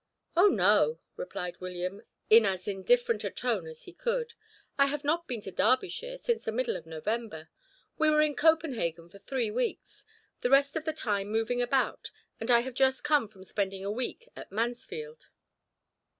"Oh, no," replied William, in as indifferent a tone as he could. "I have not been to Derbyshire since the middle of November. We were at Copenhagen for three weeks, the rest of the time moving about, and I have just come from spending a week at Mansfield."